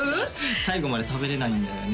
「最後まで食べれないんだよね」